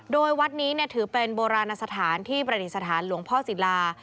โดยวัดนี้ถือเป็นโบราณสถานที่ประดิษฐานหลวงพ่อศิลา